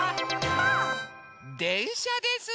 でんしゃです。